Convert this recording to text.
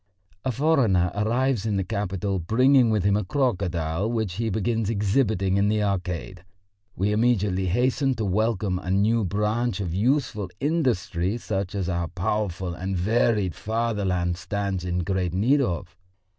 A foreigner arrives in the capital bringing with him a crocodile which he begins exhibiting in the Arcade. We immediately hasten to welcome a new branch of useful industry such as our powerful and varied fatherland stands in great need of.